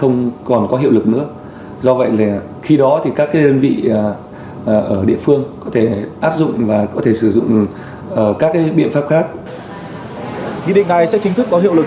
nghị định này sẽ chính thức có hiệu lực